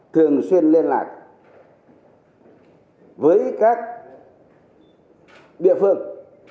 thường xuyên liên lạc với các địa phương